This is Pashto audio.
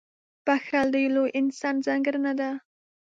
• بښل د لوی انسان ځانګړنه ده.